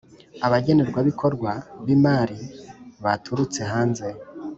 Abagenerwabikorwa b imari baturutse hanze